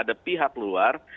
ada pihak luar